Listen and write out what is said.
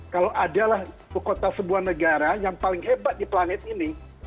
kalau adalah kota sebuah negara yang paling hebat di planet ini